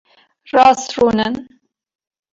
Rast rûnin.